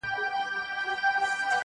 د انارګل او نارنج ګل او ګل غونډیو راځي-